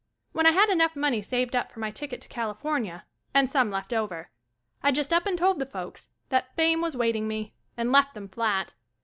When i had enough money saved up for my ticket to California and some left over, 1 just up and told the folks that Fame was waiting me and left them flat.